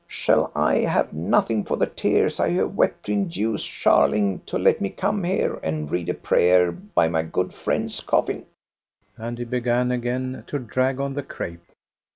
Shall I have nothing for the tears I have wept to induce Scharling to let me come here and read a prayer by my good friend's coffin?" And he began again to drag on the crape.